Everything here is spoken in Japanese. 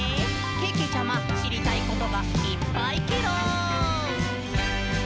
けけちゃま、しりたいことがいっぱいケロ！」